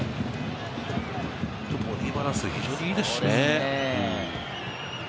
ボディーバランスが非常にいいですしね。